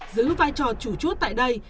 giữ vai trò chủ chốt tại đây